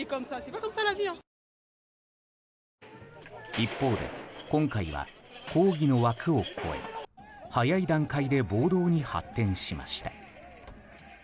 一方で、今回は抗議の枠を超え早い段階で暴動に発展しました。